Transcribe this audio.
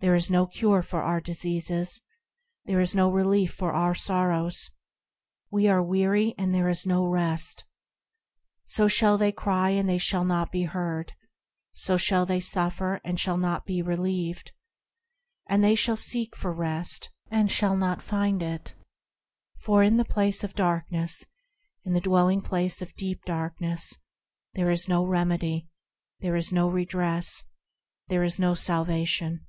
There is no cure for our diseases, There is no relief for our sorrows, We are weary, and there is no rest !" So shall they cry, and they shall not be heard; So shall they suffer, and shall not be relieved ; And they shall seek for rest, and shall not find it ; For in the place of darkness, In the dwelling place of deep darkness, There is no remedy, There is no redress, There is no salvation.